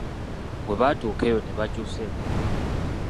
Bwe baatuuka eyo ne bakyusa engoye.